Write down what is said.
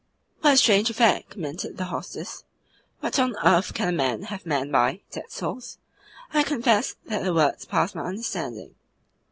"What a strange affair!" commented the hostess. "What on earth can the man have meant by 'dead souls'? I confess that the words pass my understanding.